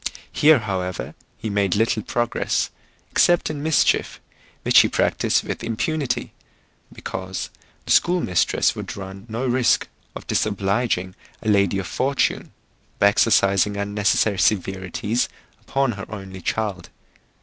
Here, however, he made little progress, except in mischief, which he practised with impunity, because the school mistress would run no risk of disobliging a lady of fortune, by exercising unnecessary severities upon her only child.